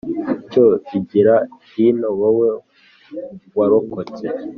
Cyo igira hino wowe warokotse